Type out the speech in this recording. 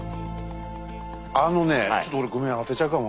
あのねちょっと俺ごめん当てちゃうかも。